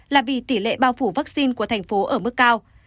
là vì tỷ lệ bao phủ vaccine của thành phố ở mức cao